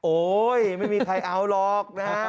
โอ๊ยไม่มีใครเอาหรอกนะฮะ